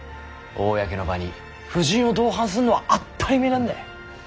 公の場に夫人を同伴すんのは当ったりめえなんだい。